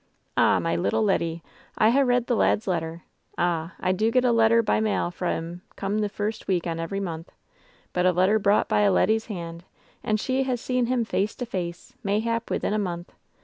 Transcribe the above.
"Ah, my little leddy ; I ha' read the lad's letter ! Ah ! I do get a letter by mail f ra' 'm coome the first week on every month 1 But a letter brought by a leddy's hand and she ha' seen him face to face mayhap within a month